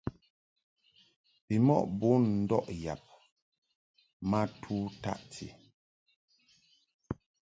Bimɔʼ bun ndɔʼ yab ma tu taʼti.